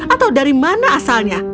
atau dari mana asalnya